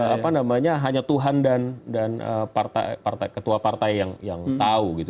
apa namanya hanya tuhan dan ketua partai yang tahu gitu